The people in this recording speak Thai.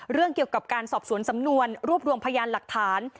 เรื่องเกี่ยวกับการสอบสวนสำนวนรวบรวมพยานหลักฐาน